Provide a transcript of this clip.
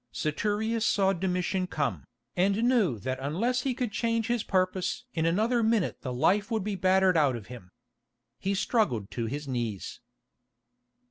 Saturius saw Domitian come, and knew that unless he could change his purpose in another minute the life would be battered out of him. He struggled to his knees.